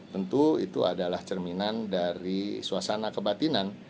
tentu itu adalah cerminan dari suasana kebatinan